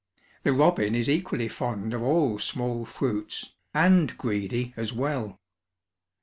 The robin is equally fond of all small fruits, and greedy as well.